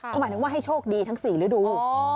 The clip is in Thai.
ก็หมายถึงว่าให้โชคดีทั้ง๔ฤดู